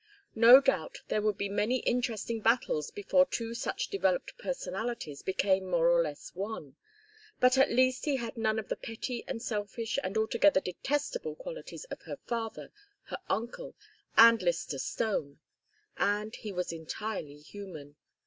No doubt there would be many interesting battles before two such developed personalities became more or less one, but at least he had none of the petty and selfish and altogether detestable qualities of her father, her uncle, and Lyster Stone; and he was entirely human.